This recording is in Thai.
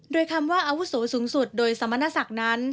โดยคำว่าอาวุโสสูงสุดโดยสมณศักดิ์นั้น